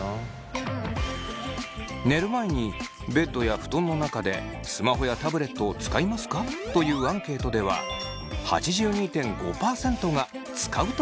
「寝る前にベッドや布団の中でスマホやタブレットを使いますか？」というアンケートでは８２．５％が使うと答えています。